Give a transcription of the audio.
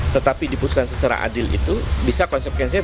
tetapi diputuskan secara adil itu bisa konsekuensinya